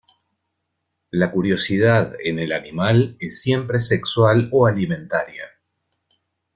La curiosidad, en el animal, es siempre sexual o alimentaria.